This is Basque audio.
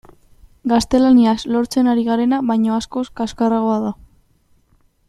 Gaztelaniaz lortzen ari garena baino askoz kaxkarragoa da.